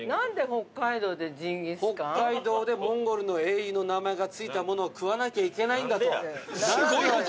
◆北海道でモンゴルの英雄の名前がついたものを食わなきゃいけないんだと。